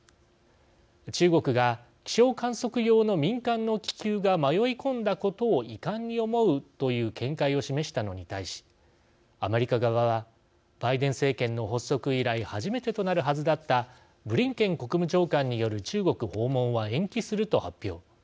中国が気象観測用の民間の気球が迷い込んだことを遺憾に思うという見解を示したのに対しアメリカ側はバイデン政権の発足以来初めてとなるはずだったブリンケン国務長官による中国訪問は延期すると発表。